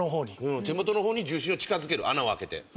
竹山：手元の方に重心を近付ける穴を開けて。